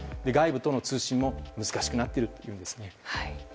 外部との通信も難しくなっているというんです。